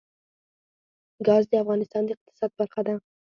ګاز د افغانستان د اقتصاد برخه ده.